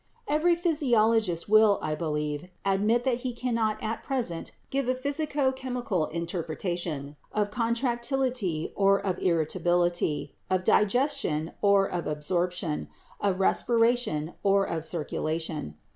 "Every physiologist will, I believe, admit that he cannot at present give a physico chemical interpretation of con tractility or of irritability, of digestion or of absorption, of respiration or of circulation.